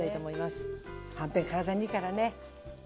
はんぺん体にいいからね。